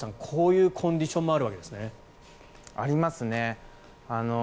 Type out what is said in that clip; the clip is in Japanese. こういうコンディションもありますね。